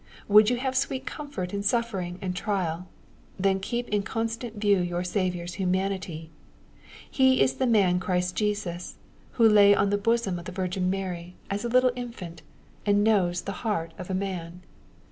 Would you have sweet comfort in suffering and trial ? Then keep in constant view your Saviour's humanity. He is the man Christ Jesus, who lay on the bosom of the Virgin Mary, as a little infant, and knowg MATTHEW, CHAP. JI. 9 the heart of a man.